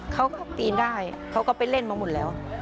เขาก็ปีนได้เขาก็ไปเล่นมาหมดแล้ว